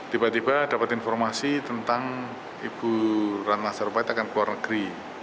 tiba tiba dapat informasi tentang ibu ratna sarumpait akan keluar negeri